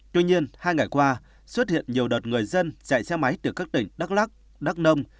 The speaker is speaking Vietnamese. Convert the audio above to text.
tuy nhiên hai ngày qua xuất hiện nhiều đợt người dân chạy xe máy từ các tỉnh đắk lắc đắk nông